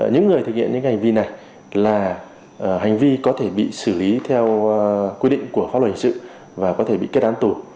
những người thực hiện những hành vi này là hành vi có thể bị xử lý theo quy định của pháp luật hình sự và có thể bị kết án tù